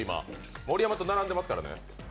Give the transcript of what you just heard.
盛山と並んでますからね。